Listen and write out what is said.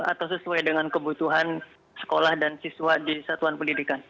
atau sesuai dengan kebutuhan sekolah dan siswa di satuan pendidikan